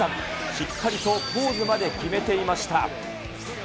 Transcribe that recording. しっかりとポーズまで決めていました。